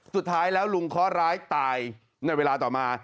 สุดท้ายแล้วลุงเคาะร้ายตายในเวลาต่อมา